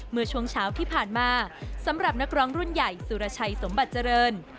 เมื่อช่วงเช้าที่ผ่านมาสำหรับนักร้องรุ่นใหญ่สุรชัยสมบัติเจริญ